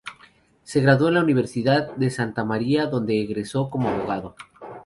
Se graduó en la Universidad Santa María de donde egresó como abogado.